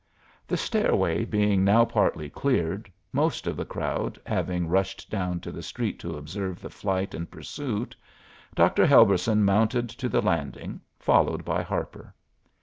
The stairway being now partly cleared, most of the crowd having rushed down to the street to observe the flight and pursuit, Dr. Helberson mounted to the landing, followed by Harper.